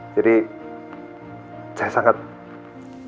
jadi saya sangat berharap